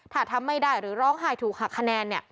ถ้าทำไม่ได้หรือร้องไห้ถูกหักคะแนน